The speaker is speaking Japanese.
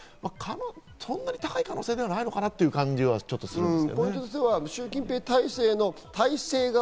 そんなに高い可能性ではないのかなという感じはちょっとします。